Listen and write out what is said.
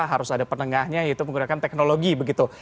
harus ada penengahnya yaitu menggunakan teknologi begitu